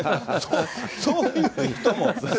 そういう人も。